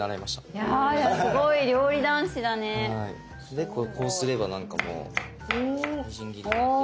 でこうすればなんかもうみじん切りになって。